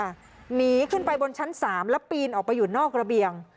หนีขึ้นไปบนชั้น๓แล้วปีนออกไปอยู่นอกระเบียง